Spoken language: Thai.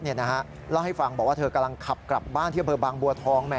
เล่าให้ฟังบอกว่าเธอกำลังขับกลับบ้านที่อำเภอบางบัวทอง